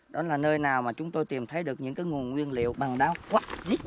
đó là nơi nào mà chúng tôi tìm thấy được những nguồn nguyên liệu bằng đá quất dít